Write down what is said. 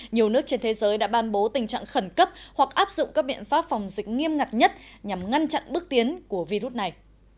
nhiều nước trên thế giới đã ban bố tình trạng khẩn cấp hoặc áp dụng các biện pháp phòng dịch nghiêm ngặt nhất nhằm ngăn chặn bước tiến của virus này